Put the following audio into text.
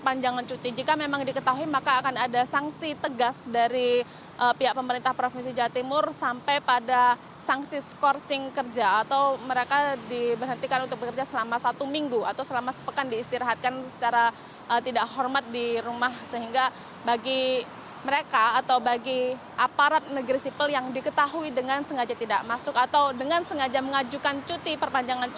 pemprof jawa timur